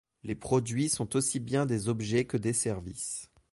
Les produits sont aussi bien des objets que des services.